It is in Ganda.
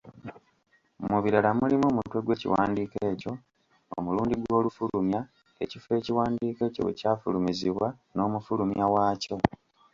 Mu birala mulimu omutwe gw’ekiwandiiko ekyo, omulundi gw’olufulumya, ekifo ekiwandiiko ekyo we kyafulumiririzibwa, n'omufulumya waakyo.